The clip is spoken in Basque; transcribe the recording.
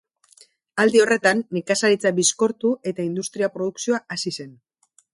Aldi horretan nekazaritza bizkortu eta industria produkzioa hazi zen.